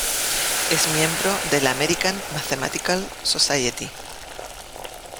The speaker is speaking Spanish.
Es miembro de la American Mathematical Society.